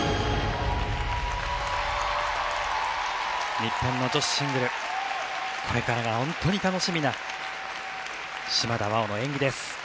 日本の女子シングルこれから本当に楽しみな島田麻央の演技です。